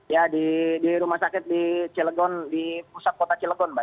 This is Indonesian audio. ya di rumah sakit di cilegon di pusat kota cilegon mbak